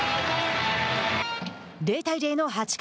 ０対０の８回。